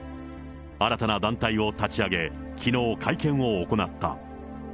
新たな団体を立ち上げ、きのう、会見を行った。